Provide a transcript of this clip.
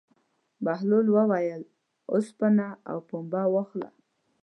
بهلول وویل: اوسپنه او پنبه واخله.